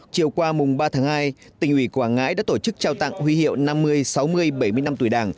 chiều qua mùng ba tháng hai tỉnh ủy quảng ngãi đã tổ chức trao tặng huy hiệu năm mươi sáu mươi bảy mươi năm tuổi đảng